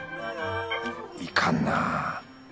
いかんなあ。